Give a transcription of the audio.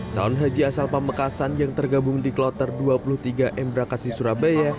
calon haji asal pamekasan yang tergabung di kloter dua puluh tiga embrakasi surabaya